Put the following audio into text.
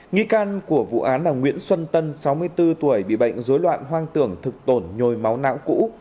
nghi can của vụ án là nguyễn xuân tân sáu mươi bốn tuổi bị bệnh dối loạn hoang tưởng thực tổn nhồi máu não cũ